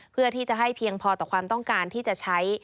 เพื่อที่จะให้เพียงพอต่อความต้องการที่จะใช้